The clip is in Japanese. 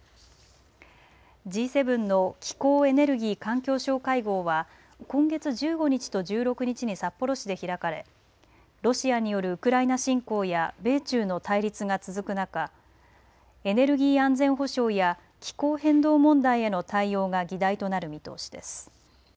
Ｇ７の気候・エネルギー・環境相会合は今月１５日と１６日に札幌市で開かれロシアによるウクライナ侵攻や米中の対立が続く中、エネルギー安全保障や気候変動問題への対応が議題となる見通しです。